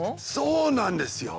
そうなんですよ。